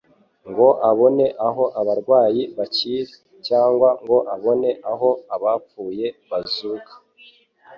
ngo abone aho abarwayi bakil cyangwa ngo abone aho abapfuye bazuka.